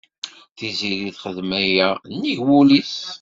Tiziri texdem aya nnig wul-is.